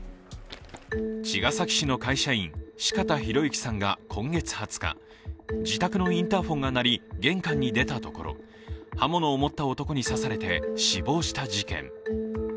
茅ヶ崎市の会社員、四方洋行さんが今月２０日、自宅のインターホンが鳴り、玄関に出たところ、刃物を持った男に刺されて死亡した事件。